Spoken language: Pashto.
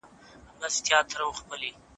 اقتصادي پرمختيا به د بېکارۍ کچه کمه کړي.